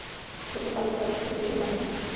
প্রত্যেক বালক বা বালিকাকে গুরুগৃহে পাঠান হইত।